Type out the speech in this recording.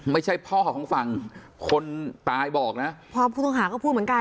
ไม่ใช่พ่อของฝั่งคนตายบอกนะพ่อผู้ต้องหาก็พูดเหมือนกัน